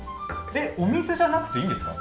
お水じゃなくていいんですか。